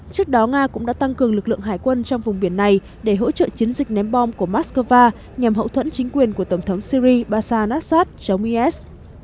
trước đó nga cũng đã tăng cường lực lượng hải quân trong vùng biển này để hỗ trợ chiến dịch ném bom của moscow nhằm hậu thuẫn chính quyền của tổng thống syria bashar al assad chống is